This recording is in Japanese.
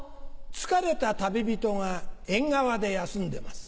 疲れた旅人がエンガワで休んでます。